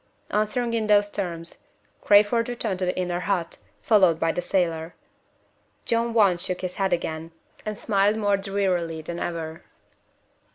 Answering in those terms, Crayford returned to the inner hut, followed by the sailor. John Want shook his head again, and smiled more drearily than ever.